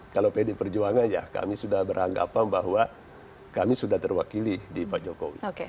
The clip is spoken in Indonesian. kalau pdi perjuangan ya kami sudah beranggapan bahwa kami sudah terwakili di pak jokowi